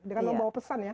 dia kan membawa pesan ya